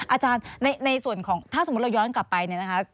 อาจารย์ในส่วนของถ้าสมมุติเราย้อนกลับไปเนี่ยนะคะ